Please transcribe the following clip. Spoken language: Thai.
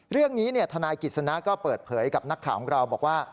เรื่องนี้ทนายกิจสนะก็เปิดเผยกับนักข่าวของเราบอกว่า